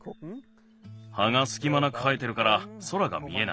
はがすきまなく生えてるから空が見えない。